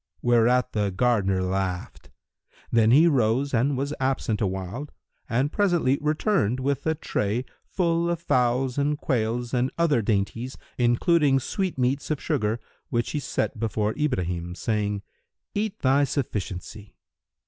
Whereat the gardener laughed. Then he rose and was absent awhile and presently returned with a tray, full of fowls and quails and other dainties including sweet meats of sugar, which he set before Ibrahim, saying, "Eat thy sufficiency."